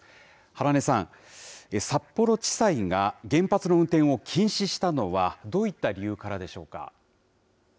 原弥さん、札幌地裁が原発の運転を禁止したのはどういった理由からでしょうか。